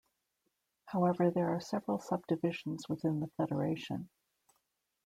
However, there are several subdivisions within the federation.